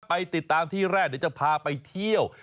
ไปติดตามที่แรกเดี๋ยวจะพาไปเที่ยว